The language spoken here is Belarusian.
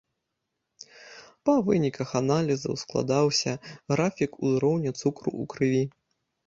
Па выніках аналізаў складаўся графік узроўня цукру ў крыві.